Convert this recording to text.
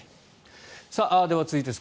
では続いてです。